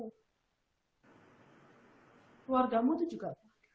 keluarga kamu juga